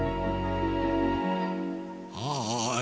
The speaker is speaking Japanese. はい！